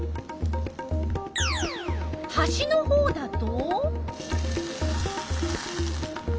はしのほうだと？